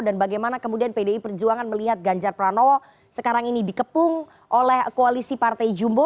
dan bagaimana kemudian pdi perjuangan melihat ganjar pranowo sekarang ini dikepung oleh koalisi partai jumbo